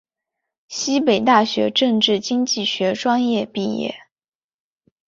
西北大学政治经济学专业毕业。